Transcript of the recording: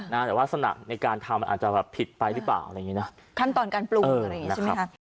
แต่วาสนะในการทำมันอาจจะผิดไปหรือเปล่าคันตอนการปลูกอะไรอย่างนี้ใช่ไหมครับ